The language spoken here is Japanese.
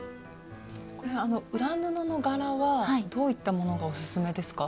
裏布の柄はどういったものがおすすめですか？